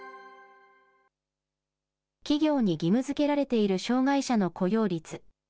企業に義務づけられている障害者の雇用率。